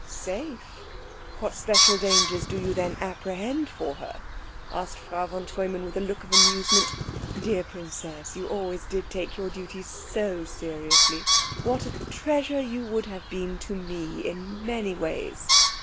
"Safe? What special dangers do you then apprehend for her?" asked Frau von Treumann with a look of amusement. "Dear princess, you always did take your duties so seriously. What a treasure you would have been to me in many ways.